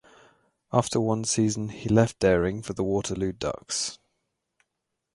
After one season he left Daring for the Waterloo Ducks.